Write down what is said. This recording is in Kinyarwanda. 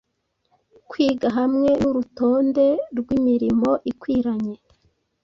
kwiga hamwe nurutonde rwimirimo ikwiranye